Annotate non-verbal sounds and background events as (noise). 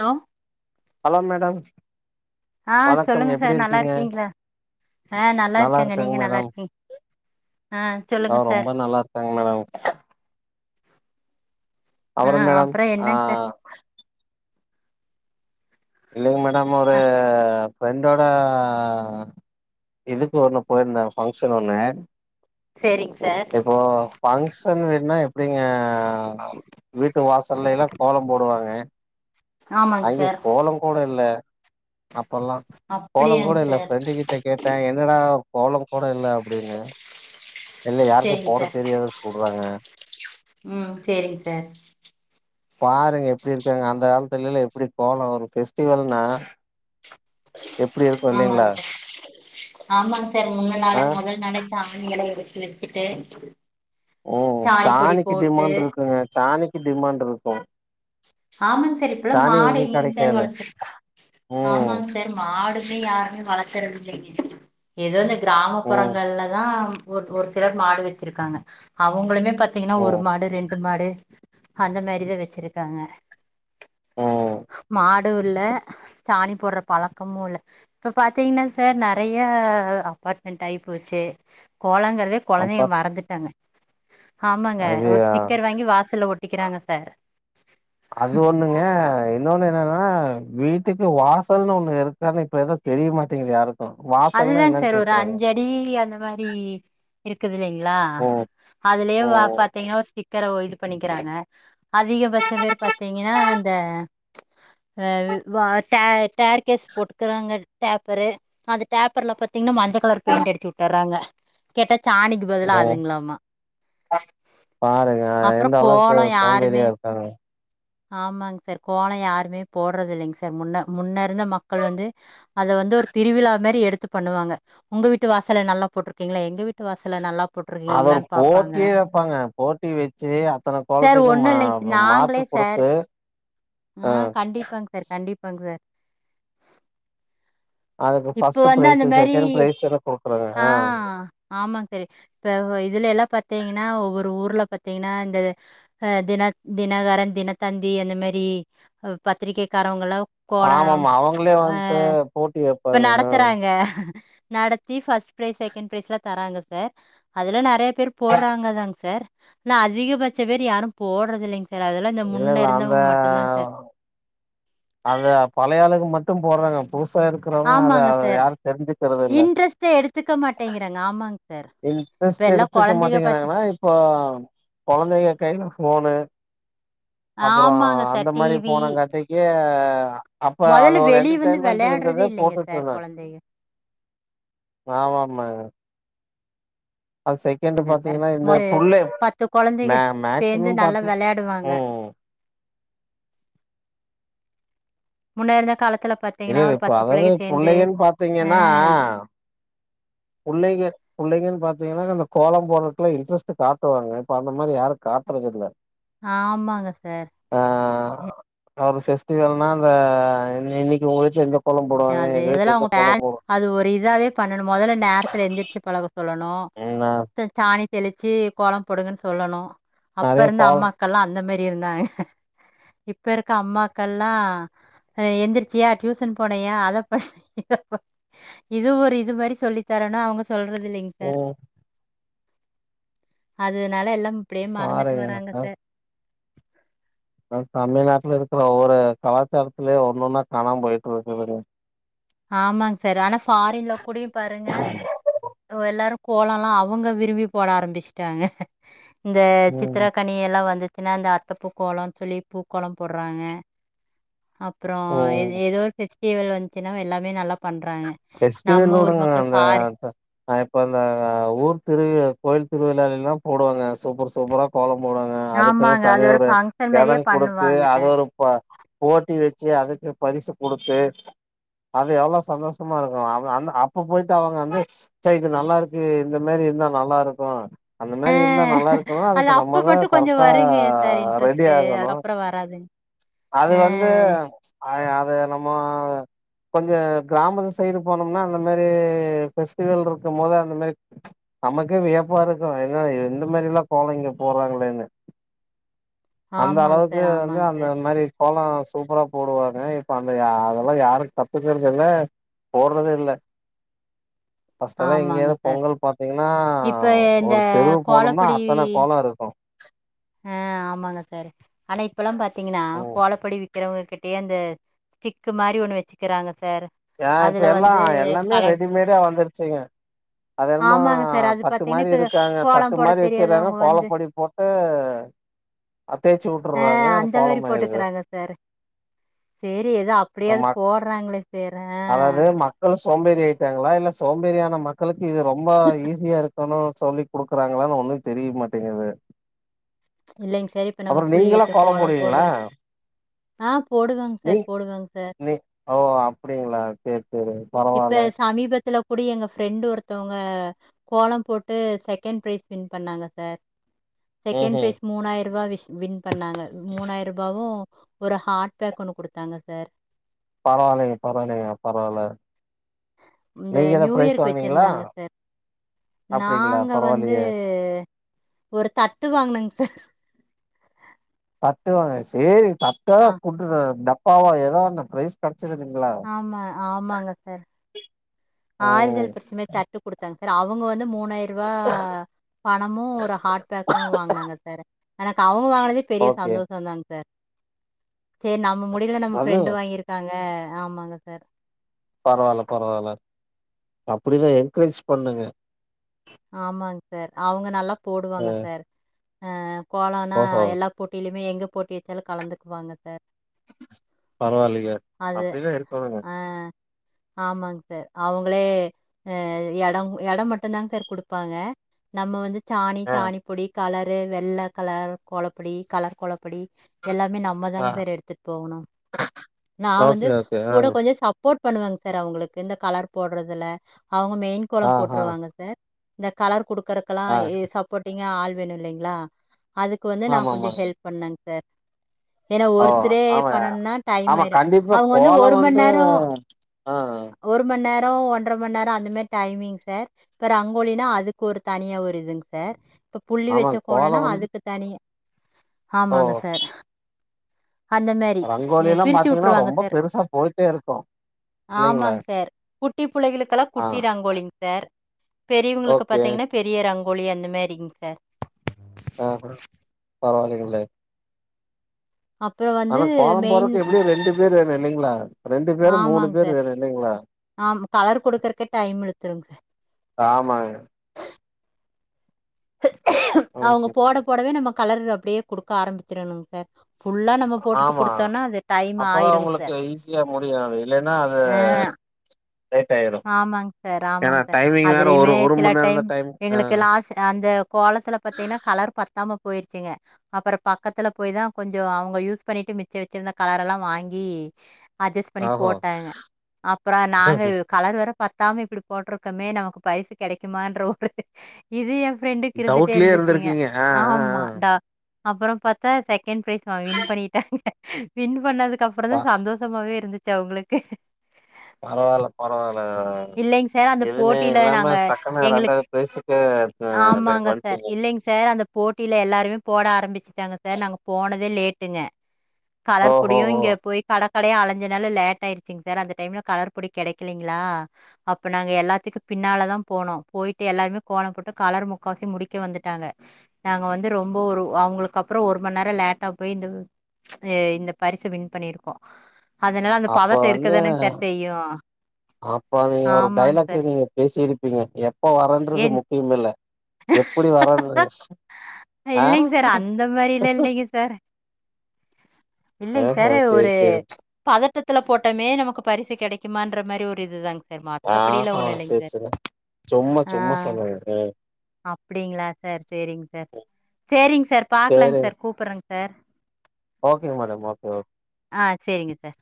Hello hello madam ஆ வணக்கம் சொல்லுங்க எப்டி சார் இருக்கீங்க நல்லாருக்கீங்ளா ஆ நல்லா இருக்கேங்க இருக்கங்க நீங்க நல்லா மேடம் இருக் ஆ சொல்லுங்க சார் சங்க மேடம் ஆ அவரு மேடம் அப்புறோ ஆ என்னங்க சார் இல்லங்க மேடம் அவரு ஆ ஃப்ரெண்டோட இதுக்கு ஒன்னு போயிருந்தே ஃபங்க்ஷன் ஒன்னு சேரிங்க சார் ஏதோ ஃபங்ஷன் வேன்னா அப்டிங்க வீட்டு வாசல்ல எல்லாம் கோலம் போடுவாங்க (unintelligible) அங்கே சார் கோலம் கூட இல்ல அப்பல்லா கோலம் அப்படியாங்க கூட இல்ல சார் ஃப்ரெண்டு கிட்ட கேட்டு என்னடா கோலம் கூட இல்ல அப்டின்னு இல்ல யாருக்கும் சேரிங்க போட சார் தெரியாது சொல்றாங்க ம் சேரிங் சார் பாருங்க எப்டிருக்காங்க அந்த காலத்துலேல்ல எப்டி கோலோ ஒரு ஃபெஸ்டிவெல்னா ஆமாங் சார் ஆமாங் சார் முன்னு ஆ நாளே முதல் நாளே சாணிகள எடுத்து வச்சிட்டு ம் சாணிக்கு டிமாண்ட் இருக்குங்க சாணிக்கு டிமாண்ட்ருக்கு ஆமாங் சார் இப்பலாம் மாடை (unintelligible) சார் கெடைக்காது ம் ஆமாங் சார் ட்ட மாடுமே யாருமே வளர்க்குறதில்லைங்க எதோ இந்த ம் கிராமப்புறங்கள்ல தா ஒர் ஒரு சிலர் மாடு வெச்சிருக்காங்க அவுங்களுமே பாத்தீங்கன்னா ஒரு ம் மாடு ரெண்டு மாடு அந்த மாரிதா வெச்சிருக்காங்க ம் மாடு இல்ல சாணி போட்ற பழக்கமு இல்ல இப்ப பாத்தீங்ன்னா சார் நெறையா அபார்ட்மெண்ட் ஆகி போச்சு கோலங்கிறதே அப்ப கொழந்தைங்க மறந்துட்டாங்க ஆமாங்க அது ஒரு அ ஸ்டிக்கர் வாங்கி வாசல்ல ஒட்டிக்கிறாங்க சார் அது ஒண்ணுங்க இன்னொன்னு என்னன்னா வீட் ட்டுக்கு வாசல்ன்னு ஒண்ணு இருக்கான்னு இப்ப ஏது தெரிய மாட்டீங்கு யாருக்கு வாசல்னா என்னன்னு கேக்குறாங்க ப்டி அந்த மாரி இருக்குது இல்லைங்களா ம் அதுலயு வா ம் பாத்தீங்கன்னா ஸ்டிக்கரு இது பண்ணிக்கிறாங்க அதிகபட்ச பேர் பாத்தீங்கன்னா இந்த அ வ டேர் டேர் கேஸ் போட்டுக்கறாங்க டேப்பரு அந்த டேப்பர்ல பாத்தீங்கன்னா மஞ்ச கலர் பெயிண்ட் அடிச்சு வுட்டர்றாங்க கேட்டா சாணிக்கு பதிலா ம் அதுங்களாமா பாருங்க எந்த அப்புறம் அளவுக்கு சோம்பேறியா இருக்காங்கனு ஆமாங் சார் கோலோ யாருமே போட்றது இல்லைங் சார் முன்ன முன்ன இருந்த மக்கள் வந்து அது வந்து ஒரு திருவிழா மாரி எடுத்து பண்ணுவாங்க உங்க வீட்டு வாசல்ல நல்லா போட்ருக்கீங்களா எங்க வீட்டு வாசல்ல நல்லாப் அத ஒரு போட்டியே வப்பாங்க போட்டி வச்சு அத்தன சார் கோலத்துக்கு மா ஒண்ணும் இல்லைங்க சார். மார்க்கு நாங்களே சார் குடுத்து அ ஆ கண்டிப்பாங் சார் கண்டிப்பாங் சார் அதுக்கு இப்போ ஃபர்ஸ்ட் வந்து பிரைஸ் அந்த மாரி செகண்ட் பிரைஸ்ன்னு குடுக்குறாங்க ஆ ஆமாங் சரி இப்ப இதுல எல்லா பாத்தீங்கன்னா ஒவ்வொரு ஊர்ல பாத்தீங்கன்னா இந்த அ தின தினகரன் தினத்தந்தி அந்த மாரி பத்திரிகைக்காரவங்களா ஆமாமா அவுங்களு வன்ட்டு போட்டி வப் இப்ப நடத்துறாங்க நடத் த்தி ஃபஸ்ட்டு ப்ரைஸ் செகெண் ப்ரைஸ்லாம் தராங்க சார் அதுலா நறையா பேர் போடுறாங்க தாங் சார் ஆனா அதிகபட்ச பேர் யாரும் போட்றது இல்லைங்க சார் அதெல்லாம் இந்த இல்ல முன்ன இல்ல அந்த இருந்தவங்க மட்டும் தாங் சார் அது பழையாளுங்க மட்டும் போட்றாங்க புதுசா இருக்குறவங்க அத ஆமாங்க சார் யாரும் தெரிஞ்சுக்கிறது இல்ல இன்ட்ரெஸ்ட்ட எடுத்துக்க மாட்டேங்கிறாங்க ஆமாங் சார் இப்ப இன்ட்ரெஸ்ட் எல்லா எடுத்துக்க கொழந்தைக பாத்து மாட்டேங்கிறாங்கன்னாப் இப்ப குழந்தைங்க கையில போனு அப்பறோ ஆமாங்க சார் அந்த டி மாரி வி போனங்காட்டி ப்ப அப்ப அது மொதல்ல ஒரு வெளிய வந்து என்டர்டெய்ன்மென்ட்டு வெளையாட்றதே இருந்தது இல்லைங்க போட்டுட்டு சார் இருந்தாங்க கொழந்தைக ஆமாம்மா ங்க சார் பாத்தீங்கன்னா இந்த சுமாரு புள்ளை பத்து குழந்தைக மே சேர்ந்து மேக்சிமம் நல்லா பாத்து விளையாடுவாங்க ம் முன்னா இருந்த காலத்துல பாத் இல்ல த்தீங்ன்னா இல்ல ஒரு இப்ப பத்து அதாவது பிள்ளைங்க சேர்ந்து புள்ளைகன்னு ஆ பாத்தீங்கன்னா புள்ளைங்க புள்ளைங்கன்னு பாத்தீங்கன்னா அந்த கோலம் போட்றதுக்குலா இன்ட்ரெஸ்ட் காட்டுவாங்க இப்ப அந்த மாரி யாரும் காட்றது இல்ல ஆமாங்க சார் ஆ ஒரு பெஸ்டிவல்னா அந்த இன்னைக்கு உங்கச்சும் எந்த கோலம் போடுவாங்க அது ரேட்டு அதெல்லா அவங்க வந்து கோல்லம் போடு அது ஒரு இதாவே பண்ணணும் முதல்ல நேரத்துல எந்திரிச்சு பழக சொல்லணும் நா சாணி தெளிச்சு கோலம் போடுங்கன்னு சொல்லணும் அப்ப நெறைய இருந்த கோலம் அம்மா க்கெல்லாம் அந்த மாரி இருந்தாங்க இப்ப இருக்க அம்மாக்கல்லாம் எந்திரிச்சியா டியூசன் போனையா அத படி இது ஒரு இது மாரி சொல்லித்தரணும் அவுங்க சொல்றது இல்லைங்க சார் ம் அதனால எல்லாம் இப்டியே மறந்துட்டு பாருங்க வர்றாங்க அஹ் சார் தமிழ்நாட்டுல இருக்கிற ஒவ்வொரு கலாச்சாரத்திலயு ஒண்ணுன்னா காணாம போயிட்டு வருதுங்க ஆமாங் சார் ஆனா ஃபாரின்ல கூட பாருங்க எல்லாரும் கோலம்ல்லாம் அவுங்க விரும்பி போட ஆரம்பிச்சுட்டாங்க இந்த ம் சித்திரக்கண் எல்லாம் வந்துச்சுன்னா இந்த அத்தைப்பூக்கோலம் சொல்லி பூக்கோலம் போடுறாங்க அப் அப்பறோ எ ம் ஏதோ ஒரு பெஃஸ்டிவல் வந்துச்சுன்னா எல்லாமே நல்லா பண்றாங்க நம்ம ஒரு பக்கோ ஃபாரின் ஆ இப்ப அந்த ஊர் திரு கோயில் திருவிழால்லாம் போடுவாங்க சூப்பர் சூப்பரா கோலம் போடுவாங்க அதுக்குன்னு ஆமாங்க. அது தனி ஒரு ஃபங்ஷன் மாரியே இடம் குடுத்து பண்ணுவாங்க. அது ஒரு ப போட்டி வச்சு அதுக்கு பரிசு குடுத்து அது எவ்ளோ சந்தோச சமா இருக்கும் அவ அந்த அப்ப போயிட்டு அவுங்க வந்து ச்சை இது நல்லா இருக்கு இந்த மாரி இருந்தா நல்லா இருக்கும் அந்த அ மாரி இருந்தா நல்லா இருக்கணும் அது அதுக்கு அப்ப நம்மதான் மட்டும் கொஞ்சம் கரெக்டா வருங்க சார் ரெடி இன்ட்ரெஸ்ட்டு. ஆகணும் அதுக்கப்புறம் வராதுங்க. அது வந்து அ அது அது நம்ம கொஞ்சம் கிராமஸ் சைடு போனோம்னா அந்த மேரி பெஸ்டிவல் இருக்கும் போது அந்த மேரி நமக்கே வியப்பா இருக்கும் ஏன்னா எந்த மாரில்லாம் கோழைங்க போறாங்களேன்னு அந்த ஆமாங்க அளவுக்கு சார், வந்து ஆமாங்க அந்த சார். மாரி கோலம் சூப்பரா போடுவாங்க இப்ப அந்த அதெல்லாம் யாரும் கத்துக்கறதுல்ல போடுறதே இல்ல ஃபஸ்ட் எல்லாம் ஆமாங்க இங்கேயாவது சார். பொங்கல் பாத்தீங்கன்னா இப்ப இந்த ஒரு தெருவு போனோம்னா கோலப்பொடி அத்தன கோலம் இருக்கும் ஆ ஆமாங்க சார் ஆனா இப்ப எல்லாம் பாத்தீங்கன்னா கோலப்பொடி வி விக்கிறவங்க கிட்டயே அந்த ஸ்டிக் மாரி ஒண்ணு வச்சுக்கிறாங்க சார ஏ இப்ப எல்லாம் எல்லாமே ரெடிமேடா வந்துருச்சுங்க அது என்னமோ ஆமாங்க சார். அது தட்டு பார்த்தீங்கன்னா, மாரி இப்ப இருக்காங்க தட்டு கோலம் மாரி போடத் வச்சுறாங்க தெரியாதவங்க வந்து கோலப்பொடி போட் ட்டு அது தேய்ச்சு ஆ உட்டுறாங்க அது அந்த மாரி கோலம் ஆயிடுது போட்டுக்கறாங்க சரி சேரி எதோ அப்டியாவது மக் போடுறாங்களே சேர் ஆ அதாவது மக்கள் சோம்பேறி ஆயிட்டாங்களா இல்ல சோம்பேறியான மக்களுக்கு இது ரொம்ப ஈஸியா இருக் குனு சொல்லி குடுக்குறாங்களான்னு ஒன்னு தெரியமாட்டிங்குது இல்லைங்க சேர் இப்ப நம்ம புள்ளி நீங்களா வச்ச கோலம் போட்றோ போடுவீங்களா ஆ போடுவங் நீ சார் போடுவங் சார் நீ ஓ அப்படிங்களா சேரி சேரி இப்ப பரவால்ல சமீபத்துலக் அப்டி எங்க ஃப்ரெண்டு் ஒருத்தவங்க கோலம் போட்டு செகண்ட் ப்ரைஸ் வின் பண்ணாங்க சார் ம் செகண்ட் ம் ப்ரைஸ் மூணாயிர ரூவா வின் பண்ணாங்க மூணாயிரம் ரூபாவு ஒரு ஹாட் பேக் ஒன்னு குடுத்தாங்க சார் பரவாயில்லைங் பரவாயில்லங் பரவாயில்ல இந்த நியூயர்க்கு வாங்குனீங்களா வெச்சிருந்தாங்க சார் அப்டிங்களா நாங்க வந்து பரவாயில்லையே ஒரு தட்டு வாங்குனங் சார் தட்டுவாங் சேரி தட்டோ ஆ டப்பாவோ எதோ ஒன்னு பிரைஸ் கெடச்சுருச்சுலங்க ஆமா, ஆமாங்க சார். ஆறுதல் பரிசு மாரி தட்டு குடுத்தாங்க சார் அவுங்க வந்து மூணாயிர ரூவா பணமு ஒரு ஹாட் பேக்கு வாங்குனாங்க சார் எனக்கு அவுங்க வாங்கினதே பெரிய ஓகே சந்தோஷன் தாங்க சார் சேரி நம்ம முடியல நம்ம அது ஃப்ரெண்டு வாங்கிருக்காங்க ஆமாங்க சார் பரவால்ல பரவால்ல அப்டிதா என்கரேஜ் பண்ணுங்க ஆமாங் சார் அவுங்க நல்லா அ போடுவாங்க சார் ஆ கோலன்னா ஓஹோ எல்லா போட்டியிலயுமே எங்க போட்டி வெச்சாலு கலந்துக்குவாங்க சார் பரவால்லைங்க அப்டிதா இருக்கனுங்க ஆமாங் சார் அவுங்களே அ எட எடம் மட்டுதாங் சார் குடுப்பாங்க நம்ம வந்து சாணி ஆ சாணி பொடி கலரு வெள்ள கலர் கோலப்பொடி கலர் கோலப்பொடி எல்லாமே நம் ஆ மதாங் சார் எடுத்துட் போகணு நா வந்து ஓகே ஓகே ஆ கூட கொஞ்ச சப்போர்ட் பண்ணுவேங் சார் அவுங்களுக்கு இந்த கலர் போடுறதுல அவுங்க மெயின் ஆ கோலம் ஆ போட்ருவாங்க சார் இந்த கலர் குடுக்கறக்கெல்லா ஆ சப்போர்டிங்கா ஆள் வேணு இல்லைங்களா அதுக்கு வந்து நா கொஞ்ச ஆமாமாங்க ஹெல்ப் பண்ணங் சார் ஏனா ஓ ஒருத்தரே ஆமா பண்ணனுனா டைம் ஆமா ஆயிரு கண்டிப்பா அவுங்க வந்து கோலோ ஒரு மண்நேரோ ஆ ஒரு மண்நேரோ ஒன்ர மண்நேரோ அந்த மாரி டைமிங் சார் அப்ப ரங் கோலினா அதுக்கு ஒரு தனியா ஒரு இதுங் சார் இப்ப புள்ளி வச்ச ஆமாங்க கோலோ கோலனா வந்து அதுக்கு தனிய ஓ ஆமாங்க சார் அந்த மாரி ரங்கோலில்லா பிரிச்சு பாத்தீங்கன்னா உட்ருவாங்க ரொம்ப சார் பெருசா போயிட்டே இருக்கு இல்லைங்களா ஆமாங் சார் குட்டி புள்ளைகளுக்கெல்லா ஆ குட்டி ரங்கோலிங் சார் பெரியவங்களுக்கு ஓகே பாத்தீங்கன்னா பெரிய ரங்கோலி அந்த மாரிங் சார் அப்ரோ பரவால்லைங்களே அப்புறம் வந்து ஆனா கோலம் மெயின் போறக்கு எப்டியு ரெண்டு பேரு வேணு இல்லைங்களா ரெண்டு பேரு மூணு ஆமாங்க பேரு சார். வேணு இல்லைங்களா ஆம் கலர் குடுக்கறக்கே டைம் இழுத்துருங்க சார். ஆமாங்க அவுங்க ம்ஹ்ம். போட போடவே நம்ம கலரு அப்டியே குடுக்க ஆரம்பிச்சிருனுங் சார் ஃபுல்லா நம்ம போட்டுட்டு ஆமா குடுத்தோம்னா, அது டைம் அப்பதா ஆயிருங்க அவுங்களுக்கு சார். ஈஸியா முடியு அது இல்லன்னா அது லேட்டாயிரு ஆமாங் சார் ஆமாங் சார் ஒரு அதுலயுமே ஒரு சில மண் நேரந்தா டைம் ஆ எங்களுக்கு லாஸ் அந்த கோலத்துல பாத்தீன்னா கலர் பத்தாம போயிருச்சிங்க அப்பறம் பக்கத்துல போய் தா கொஞ்சொ அவுங்க யூஸ் பண்ணிட்டு மிச்சம் வச்சிருந்த கலரல்லா வாங்கி அஜஸ் பண்ணி ஆஹோ போட்டாங்க அப்றொ நாங்க கலர் வேற பத்தாம இப்டி போட்ருக்கோமே நமக்கு பரிசு கெடைக்குமான்ற ஒரு இது என் ஃப்ரெண்டுக்கு இருந்துட்டே டவுட்லயே இருந்துச்சுங்க இருந்திருக்கீங்க ஆ ஆ ஆமா ஆ டா அப்பறம் பாத்தா செகண்ட் ப்ரைஸ் நா வின் பண்ணிட்டாங்க வின் பண்ணதுக்குப்புறம் தா பா சந்தோஷ ஷமாவே இருந்துச்சு அவுங்களுக்கு பரவால்ல பரவால்ல இல்லைங்க சார் அந்த எதுமே போட்டியில இல்லாம நாங்க டக்குன்னு எங்களுக்கு ரெண்டாவ்து ப்ரைஸுக்கு ஆமாங்க சார். வந்ட்டீங்க இல்லைங்க சார் அந்த போட்டில எல்லாருமே போட ஆரம்பிச்சட்டாங்க சார் நாங்க போனதே லேட்டுங்க கலர் ஓஹோ பொடியு ஓ இங்க போய் கட கடயா அலைஞ்ச நால லேட்டாயிருச்சிங்க சார் அந்த டைம்ல கலர் பொடி கெடைக்கலைங்ளா அப்ப நாங்க எல்லாத்துக்கும் பின்னால தான் போனோம் போய்ட்டு எல்லாருமே கோலம் போட்டு கலர் முக்கா வாசி முடிக்க வந்துட்டாங்க நாங்க வந்து ரொம்ப ஒரு அவுங்களுக்கு அப்றம் ஒரு மண் நேரொ லேட்டா போய் இந்த ஆ இந்த பரிச வின் பண்ணிருக்கோ அதனால அந்த அப்ப பதட்டொ வந்து இருக்கதானுங் சார் செய்யு அப்ப நீங்க ஒரு ஆமாங்க டைலாக்க சார் நீங்க பேசிருப்பீங்க எப் எப்போ வரன்றது என் முக்கியம் இல்ல எப்படி வரன்றது இல்லைங் சார் அந்த மாரிலா இல்லைங்க சார் இல்லைங் சாரு சேரி ஒரு சேரி பதட்டத்துல போட்டோமே நமக்கு பரிசு கெடைக்குமான்ற மாரி ஒரு இதுதாங் சார் சார் மத்தபடிய எல்லா ஆஹா ஒண்ணு இல்லங்க சேரி சார் சேரி சும்மா சும்மா சொன்னேங்க ஆ அப்டிங்ளா சார் சேரிங்க சார் சேரிங் சார் பாக்கலாங் சார் கூப்பிறேங்க சார் ஓகேங் மேடம் ஓகே ஓகே ஆ சேரிங்க சார்